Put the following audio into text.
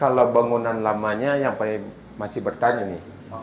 kalau bangunan lamanya yang masih bertahan ini